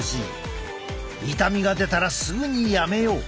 痛みが出たらすぐにやめよう。